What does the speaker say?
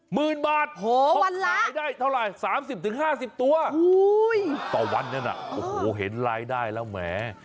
หมื่นบาทผมขายได้เท่าไหร่๓๐๕๐ตัวต่อวันนั้นน่ะโอ้โหเห็นรายได้แล้วแหม